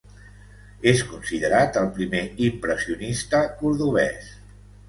És considerat el primer impressionista cordovès.